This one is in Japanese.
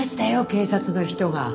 警察の人が。